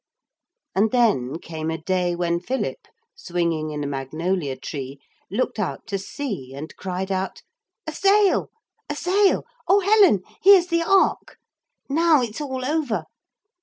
And then came a day when Philip, swinging in a magnolia tree, looked out to sea and cried out, 'A sail! a sail! Oh, Helen, here's the ark! Now it's all over.